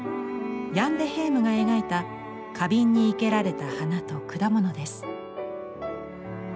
ヤン・デ・ヘームが描いた花瓶に生けられた花と果物です。